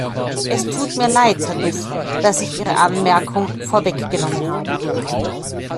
Es tut mir leid, Herr Duff, dass ich Ihre Anmerkung vorweggenommen habe.